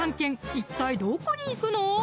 一体どこに行くの？